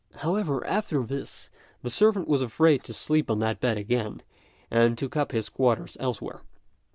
However, after this the servant was afraid to sleep on that bed again, and took up his quarters elsewhere.